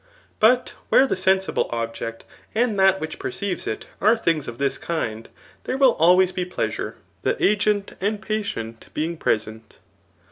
But where the sensible object, and that which perceives it, are things of this kind, there will always be pleasure, the agent and patient being present.